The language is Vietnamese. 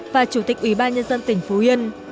và chủ tịch ủy ban nhân dân tỉnh phú yên